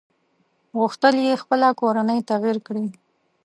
غوښتل يې خپله کورنۍ تغيير کړي.